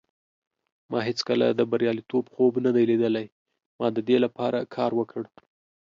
ما هیڅکله د بریالیتوب خوب نه دی لیدلی. ما د دې لپاره کار وکړ.